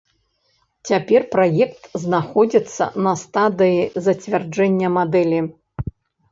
Цяпер праект знаходзіцца на стадыі зацвярджэння мадэлі.